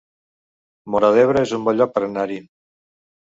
Móra d'Ebre es un bon lloc per anar-hi